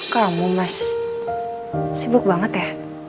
kamu mas sibuk banget ya